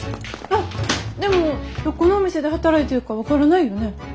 あっでもどこのお店で働いてるか分からないよね？